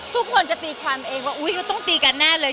ทุกคนจะตีความเองว่าอุ๊ยก็ต้องตีกันแน่เลย